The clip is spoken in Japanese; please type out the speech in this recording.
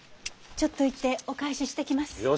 ちょっと行ってお返ししてきます。